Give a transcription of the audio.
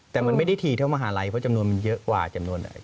แต่มันไม่ได้ถี่เท่ามหาลัยเพราะจำนวนมันเยอะกว่าจำนวนอะไร